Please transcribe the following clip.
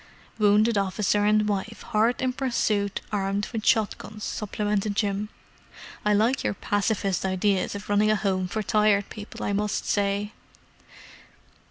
"Wounded officer and wife hard in pursuit armed with shot guns!" supplemented Jim. "I like your pacifist ideas of running a home for Tired People, I must say!"